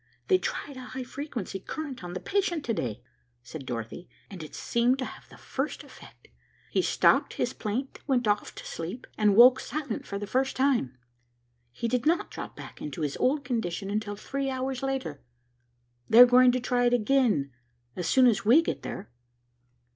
"They tried a high frequency current on the patient to day," said Dorothy, "and it seemed to have the first effect. He stopped his plaint, went off to sleep, and woke silent for the first time. He did not drop back into his old condition until three hours later. They are going to try it again, as soon as we get there."